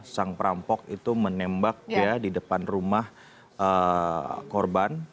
sang perampok itu menembak di depan rumah korban